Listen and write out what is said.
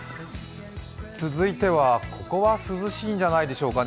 続いてはここは涼しいんじゃないでしょうか。